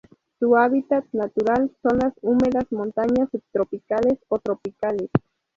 Su hábitat natural son las húmedas montañas subtropicales o tropicales.